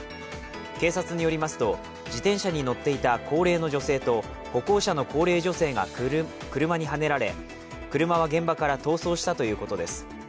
警察によりますと、自転車に乗っていた高齢の女性と歩行者の高齢女性が車にはねられ車は現場から逃走したということです。